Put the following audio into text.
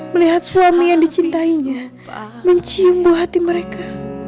melihat suami yang dicintainya mencium buah hati mereka